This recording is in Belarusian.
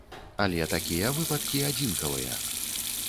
Але такія выпадкі адзінкавыя.